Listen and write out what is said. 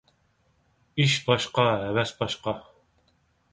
ئىش باشقا، ھەۋەس باشقا.